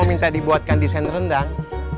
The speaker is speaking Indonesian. ini udah siang